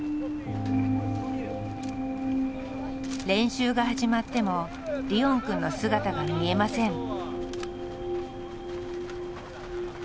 練習が始まってもリオンくんの姿が見えません。